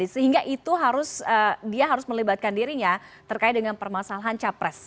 sehingga itu harus dia harus melibatkan dirinya terkait dengan permasalahan capres